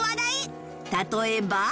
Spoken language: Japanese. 例えば